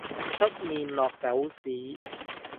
出面落狗屎